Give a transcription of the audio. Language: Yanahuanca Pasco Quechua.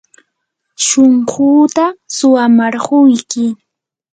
shunquuta suwamarquyki.